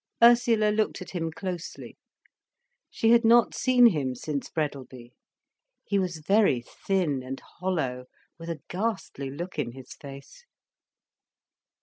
Ursula looked at him closely. She had not seen him since Breadalby. He was very thin and hollow, with a ghastly look in his face.